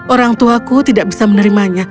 orangtuaku tidak bisa menerimanya